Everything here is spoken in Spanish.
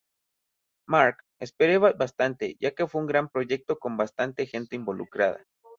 Mark: Espere bastante ya que fue un gran proyecto con bastante gente involucrada.